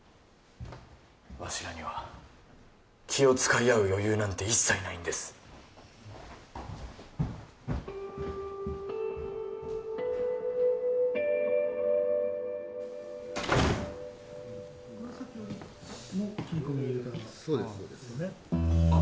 わしらには気を使い合う余裕なんて一切ないんです・切り込みを入れたら・